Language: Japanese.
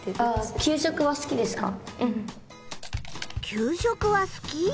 給食は好き？